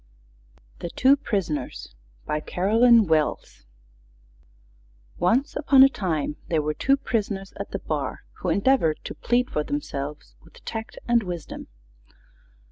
'" THE TWO PRISONERS BY CAROLYN WELLS Once upon a time there were two Prisoners at the bar, who endeavored to plead for themselves with Tact and Wisdom.